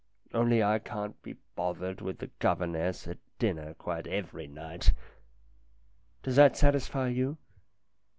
Only I can't be bothered 282 STORIES IN GREY with the governess at dinner quite every night. Does that satisfy you